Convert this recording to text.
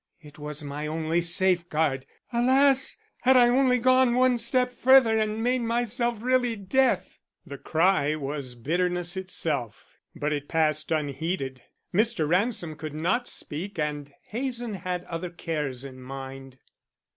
It was my only safeguard. Alas! had I only gone one step further and made myself really deaf!" The cry was bitterness itself, but it passed unheeded. Mr. Ransom could not speak and Hazen had other cares in mind.